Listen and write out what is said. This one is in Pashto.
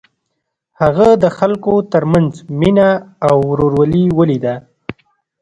هغه د خلکو تر منځ مینه او ورورولي ولیده.